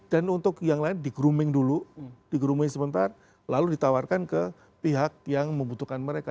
dan untuk yang lain digrooming dulu digrooming sebentar lalu ditawarkan ke pihak yang membutuhkan mereka